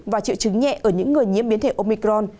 và triệu chứng nhẹ ở những người nhiễm biến thể omicron